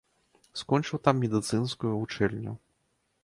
Скончыў там медыцынскую вучэльню.